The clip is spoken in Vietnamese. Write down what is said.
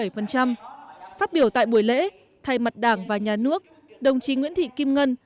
phát biểu tại buổi lễ thay mặt đảng và nhà nước đồng chí nguyễn thị kim ngân